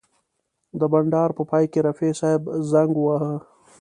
د بنډار په پای کې رفیع صاحب زنګ وواهه.